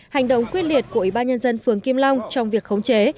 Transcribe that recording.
hành động quyết liệt của ủy ban nhân dân phường kim long trong việc khống chế